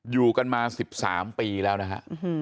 อยู่กันมา๑๓ปีแล้วนะฮะ